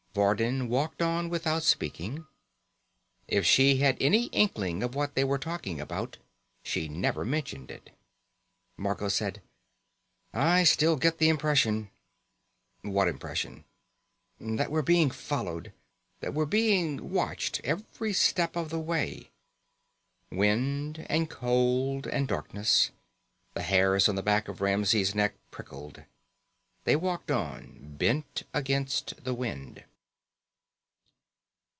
Vardin walked on without speaking. If she had any inkling of what they were talking about, she never mentioned it. Margot said: "I still get the impression." "What impression?" "That we're being followed. That we're being watched. Every step of the way." Wind and cold and darkness. The hairs on the back of Ramsey's neck prickled. They walked on, bent against the wind.